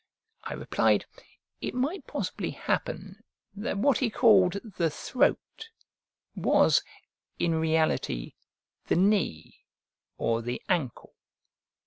I replied, it might possibly happen that what he called the throat was, in reality, the knee or the ankle.